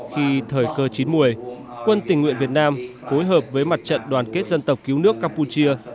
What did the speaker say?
khi thời cơ chín mùi quân tình nguyện việt nam phối hợp với mặt trận đoàn kết dân tộc cứu nước campuchia